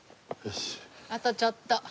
あとちょっと。